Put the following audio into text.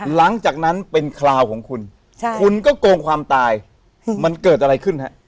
หลังจากนั้นเป็นคราวของคุณใช่คุณคุณก็โกงความตายมันเกิดอะไรขึ้นฮะ